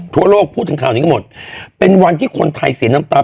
ทั่วโลกพูดถึงข่าวนี้ก็หมดเป็นวันที่คนไทยเสียน้ำตา